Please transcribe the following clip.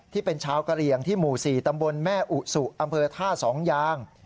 ที่เป็นชาวกะเหลี่ยงที่หมู่๔ตำบลแม่อุสุอำเภอท่าสองยาง